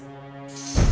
apaan sih mas